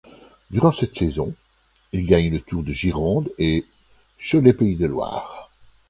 Durant cette saison, il gagne le Tour de Gironde et Cholet-Pays de Loire.